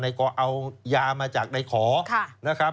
นายกอเอายามาจากนายขอนะครับ